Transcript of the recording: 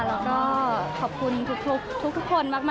แล้วก็ขอบคุณทุกคนมาก